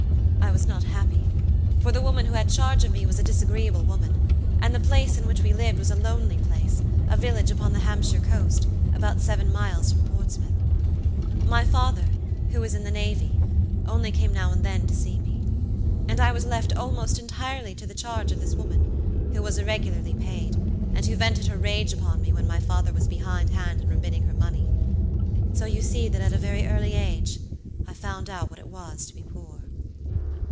I was not happy, for the woman who had charge of me was a disagreeable woman and the place in which we lived was a lonely place, a village upon the Hampshire coast, about seven miles from Portsmouth. My father, who was in the navy, only came now and then to see me; and I was left almost entirely to the charge of this woman, who was irregularly paid, and who vented her rage upon me when my father was behindhand in remitting her money. So you see that at a very early age I found out what it was to be poor.